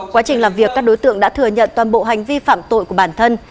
quá trình làm việc các đối tượng đã thừa nhận toàn bộ hành vi phạm tội của bản thân